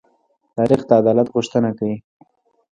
تاریخ د عدالت غوښتنه کوي.